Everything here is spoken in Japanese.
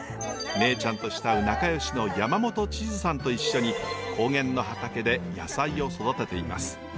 姉ちゃんと慕う仲良しの山本千鶴さんと一緒に高原の畑で野菜を育てています。